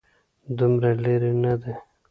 دومره لرې نه دی.